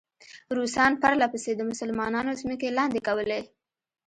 روسان پرله پسې د مسلمانانو ځمکې لاندې کولې.